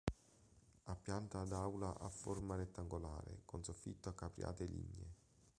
Ha pianta ad aula a forma rettangolare con soffitto a capriate lignee.